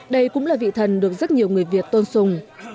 đây cũng là vị thần được rất nhiều người việt tôn sùng